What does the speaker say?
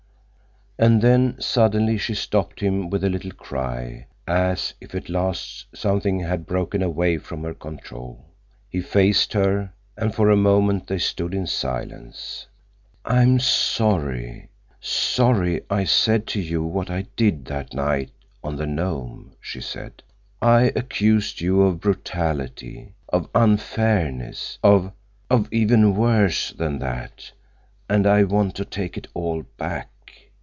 _!" And then, suddenly, she stopped him with a little cry, as if at last something had broken away from her control. He faced her, and for a moment they stood in silence. "I'm sorry—sorry I said to you what I did that night on the Nome," she said. "I accused you of brutality, of unfairness, of—of even worse than that, and I want to take it all back.